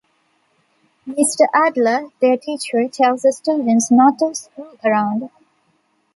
Mr. Adler, their teacher, tells the students not to "screw around".